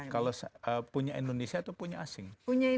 kalau punya indonesia itu punya asing